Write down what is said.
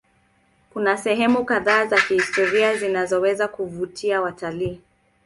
Kuna sehemu kadhaa za kihistoria zinazoweza kuvutia watalii.